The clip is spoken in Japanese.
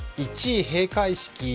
１位、閉会式。